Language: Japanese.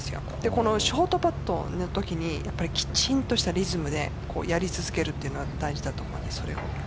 このショートパットのときにきちんとしたリズムでやり続けるというのが大事だと思います。